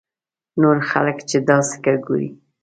نور خلک چې دا سکه ګوري.